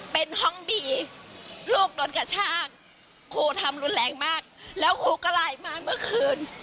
เป็นห้องบีลูกโดนกระชากครูทำรุนแรงมากแล้วครูก็ไลน์มาเมื่อคืน